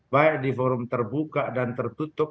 baik di forum terbuka dan tertutup